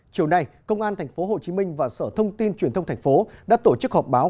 chiều nay công an tp hcm và sở thông tin truyền thông tp hcm đã tổ chức họp báo